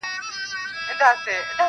ښاغلی محمد صدیق پسرلي,